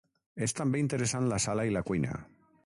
És també interessant la sala i la cuina.